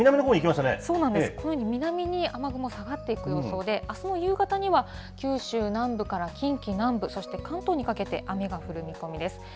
こういうふうに南に下がっていく予想で、あすの夕方には、九州南部から近畿南部、そして関東にかけて雨が降る見込みです。